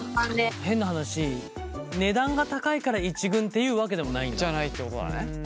変な話値段が高いから１軍っていうわけでもないんだ？じゃないってことだね。